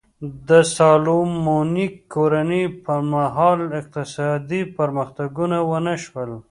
د سالومونیک کورنۍ پر مهال اقتصادي پرمختګونه ونه شول.